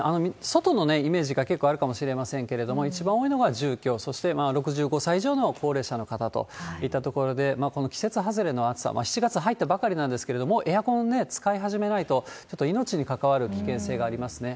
外のイメージが結構あるかもしれませんけれども、一番多いのが住居、そして６５歳以上の高齢者の方といったところで、この季節外れの暑さ、７月入ったばかりなんですけれども、もうエアコン使い始めないと、ちょっと命に関わる危険性がありますね。